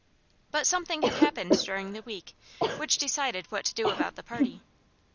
But something had happened during the afternoon which decided what to do about the party.